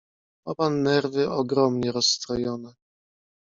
"Ma pan nerwy ogromnie rozstrojone."